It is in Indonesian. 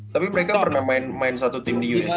tapi mereka pernah main satu tim di us